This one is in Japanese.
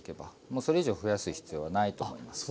もうそれ以上増やす必要はないと思います。